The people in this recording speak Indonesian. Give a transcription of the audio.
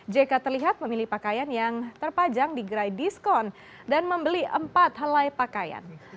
jk terlihat memilih pakaian yang terpajang di gerai diskon dan membeli empat helai pakaian